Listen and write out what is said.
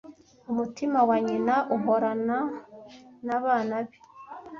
Umutima wa nyina uhorana nabana be.